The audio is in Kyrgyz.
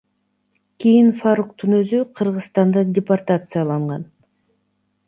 Кийин Фаруктун өзү Кыргызстандан департацияланган.